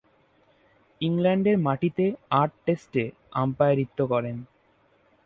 ইংল্যান্ডের মাটিতে আট টেস্টে আম্পায়ারিত্ব করেন।